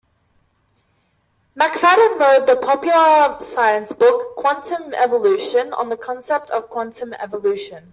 McFadden wrote the popular science book, "Quantum Evolution" on the concept of quantum evolution.